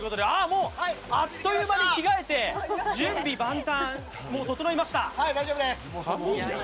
もう、あっという間に着替えて準備万端、整いました。